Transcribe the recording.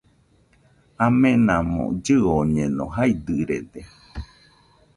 Amenamo llɨoñeno, jaidɨrede